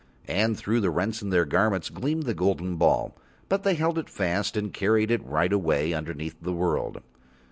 And through the rents in their garments gleamed the golden ball, but they held it fast and carried it right away and underneath the world.